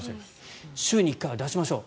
週に１回は出しましょう。